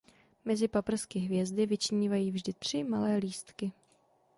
Mezi paprsky hvězdy vyčnívají vždy tři malé lístky.